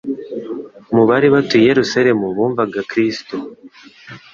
Mu bari batuye i Yerusalemu bumvaga Kristo,